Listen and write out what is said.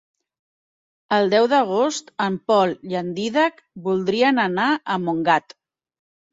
El deu d'agost en Pol i en Dídac voldrien anar a Montgat.